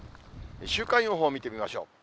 週間予報を見てみましょう。